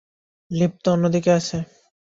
Lift তো অন্যদিকে আছে।